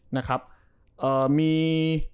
นะครับมี